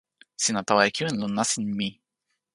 sina tawa e kiwen lon nasin mi.